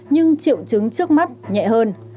nhưng triệu chứng trước mắt nhẹ hơn